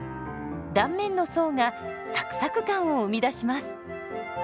断面の層がサクサク感を生み出します。